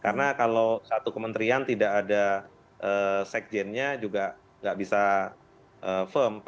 karena kalau satu kementerian tidak ada sec jennya juga tidak bisa firm